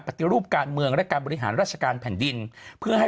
ปฏิรูปการเมืองและการบริหารราชการแผ่นดินเพื่อให้